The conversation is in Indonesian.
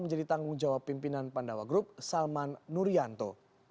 menjadi tanggung jawab pimpinan pandawa group salman nurianto